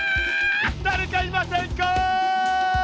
だれかいませんか！